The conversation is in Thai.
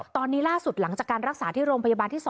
ตอนนี้ล่าสุดหลังจากการรักษาที่โรงพยาบาลที่๒